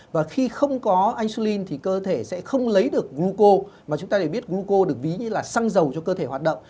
và khi không có insulin thì cơ thể sẽ không lấy được gluco và chúng ta đều biết gluco được ví như là xăng dầu cho cơ thể hoạt động